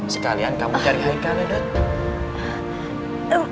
sekalian kamu cari haikal ya dodot